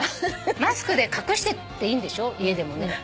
マスクで隠してていいんでしょ家でもね。